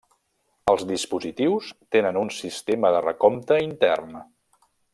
Els dispositius tenen un sistema de recompte intern.